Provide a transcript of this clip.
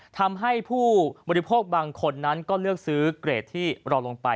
ทำให้ผู้บริโภคบางคนนั้นก็เลือกซื้อเกรดที่เราลงไป